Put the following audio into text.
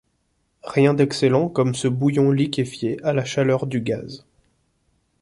Rien d’excellent comme ce bouillon liquéfié à la chaleur du gaz.